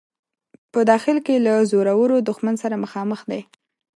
په داخل کې له زورور دښمن سره مخامخ دی.